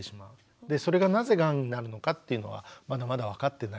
でそれがなぜがんになるのかっていうのはまだまだ分かってない。